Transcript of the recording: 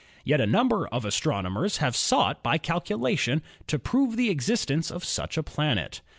Yet a number of astronomers have sought by calculation to prove the existence of such a planet.